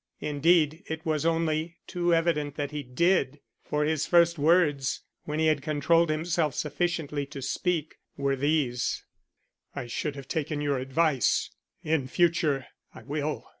Indeed it was only too evident that he did, for his first words, when he had controlled himself sufficiently to speak, were these: "I should have taken your advice. In future I will.